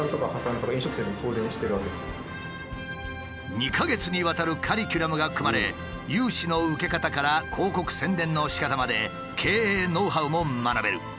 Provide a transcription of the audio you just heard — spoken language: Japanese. ２か月にわたるカリキュラムが組まれ融資の受け方から広告宣伝のしかたまで経営ノウハウも学べる。